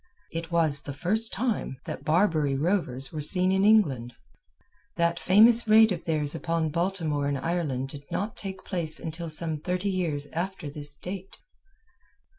It was the first time that Barbary rovers were seen in England. That famous raid of theirs upon Baltimore in Ireland did not take place until some thirty years after this date.